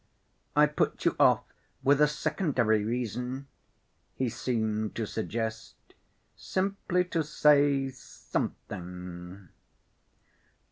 "I put you off with a secondary reason," he seemed to suggest, "simply to say something."